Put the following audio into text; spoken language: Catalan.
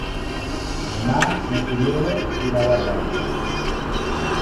Demà na Sibil·la irà a la platja.